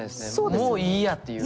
もういいやっていうか。